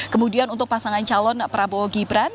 kemudian untuk pasangan calon prabowo gibran